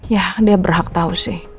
yah dia berhak tau sih